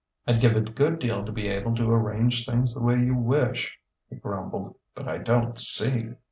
"I'd give a good deal to be able to arrange things the way you wish," he grumbled. "But I don't see...."